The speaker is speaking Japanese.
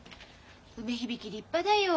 梅響立派だよ。